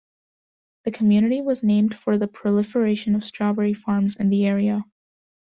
The community was named for the proliferation of strawberry farms in the area.